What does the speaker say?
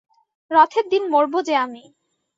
রথের দিন মরব যে আমি।